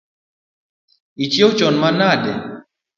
Ichieo chon manade?